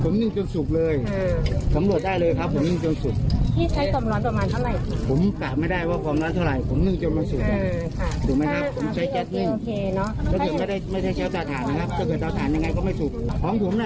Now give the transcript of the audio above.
ไม่ได้ทิ้งผมจะจบเอาไว้ผมจะไม่ให้เอาไว้ข้างคืน